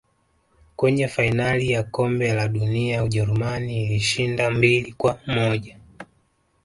Kwenye fainali ya kombe la dunia ujerumani ilishinda mbili kwa moja